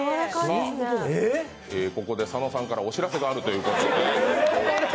ここで佐野さんからお知らせがあるということで。